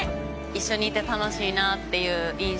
一緒にいて楽しいなっていう印象。